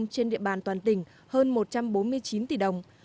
hạ tầng giao thông trên địa bàn toàn tỉnh hơn một trăm bốn mươi chín tỷ đồng